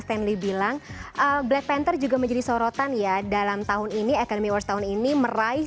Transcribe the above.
stanley bilang black panther juga menjadi sorotan ya dalam tahun ini academy awards tahun ini meraih